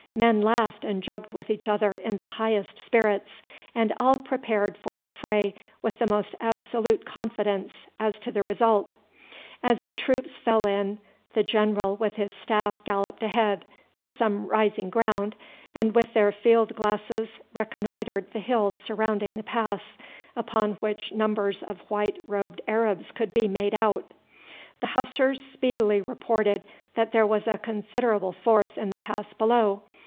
Men laughed and joked with each other in the highest spirits, and all prepared for the fray with the most absolute confidence as to the result. As the troops fell in the general with his staff galloped ahead to some rising ground, and with their field glasses reconnoitred the hills surrounding the pass, upon which numbers of white robed Arabs could be made out. The Hussars speedily reported that there was a considerable force in the pass below.